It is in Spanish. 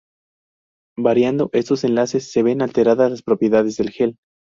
Variando estos enlaces, se ven alteradas las propiedades del gel.